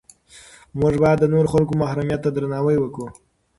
موږ باید د نورو خلکو محرمیت ته درناوی وکړو.